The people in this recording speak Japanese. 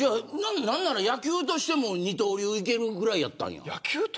なんなら野球としても二刀流いけるぐらいやったんや。